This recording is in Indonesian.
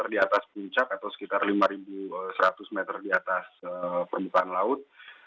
di atas puncak atau sekitar lima seratus meter di atas permukaan laut